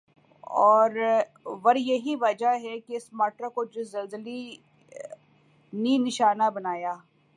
ور یہی وجہ ہی کہ سماٹرا کو جس زلزلی نی نشانہ بنایا